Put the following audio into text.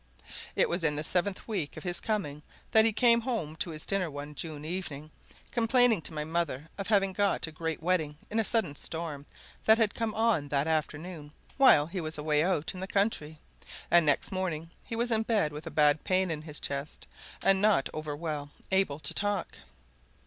It was in the seventh week of his coming that he came home to his dinner one June evening, complaining to my mother of having got a great wetting in a sudden storm that had come on that afternoon while he was away out in the country, and next morning he was in bed with a bad pain in his chest, and not over well able to talk.